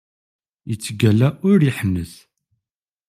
Yettgalla ur iḥennet!